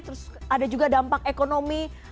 terus ada juga dampak ekonomi